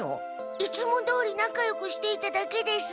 いつもどおり仲よくしていただけです。